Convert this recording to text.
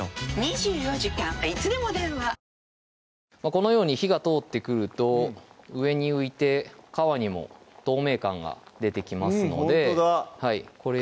このように火が通ってくると上に浮いて皮にも透明感が出てきますのでうんほんとだ